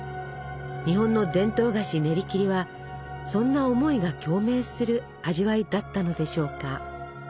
日本の伝統菓子ねりきりはそんな思いが共鳴する味わいだったのでしょうか。